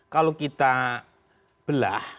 kalau kita belah